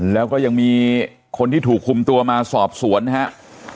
แล้วก็ยังมีคนที่ถูกคุมตัวมาสอบสวนนะครับ